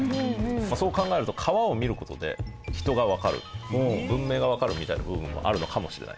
そう考えると川を見る事で人がわかる文明がわかるみたいな部分もあるのかもしれない。